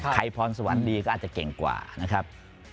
พรสวรรค์ดีก็อาจจะเก่งกว่านะครับ